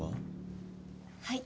はい。